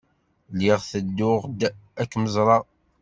Lliɣ tedduɣ-d ad kem-ẓreɣ.